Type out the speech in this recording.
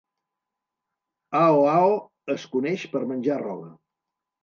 Ao Ao es coneix per menjar roba.